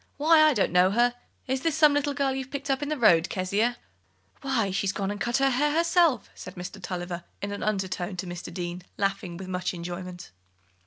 Why, I don't know her. Is it some little girl you've picked up in the road, Kezia?" "Why, she's gone and cut her hair herself," said Mr. Tulliver in an undertone to Mr. Deane, laughing with much enjoyment.